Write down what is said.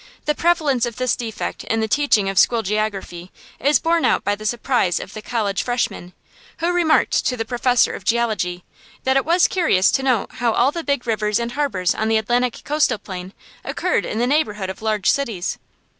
The prevalence of this defect in the teaching of school geography is borne out by the surprise of the college freshman, who remarked to the professor of geology that it was curious to note how all the big rivers and harbors on the Atlantic coastal plain occurred in the neighborhood of large cities!